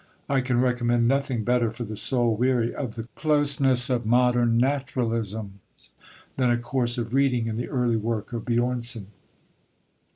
I can recommend nothing better for the soul weary of the closeness of modern naturalism than a course of reading in the early work of Björnson.